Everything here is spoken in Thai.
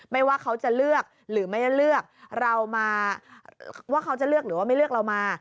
ว่าเขาจะเลือกหรือไม่เลือกเรามาว่าเขาจะเลือกหรือว่าไม่เลือกเรามา